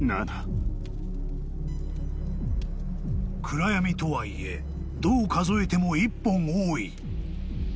［暗闇とはいえどう数えても１本多い］